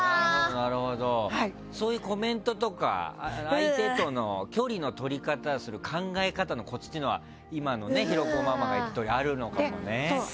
そういうコメントとか相手との距離の取り方考え方のコツっていうのは今の広子ママが言ったとおりあるのかもね。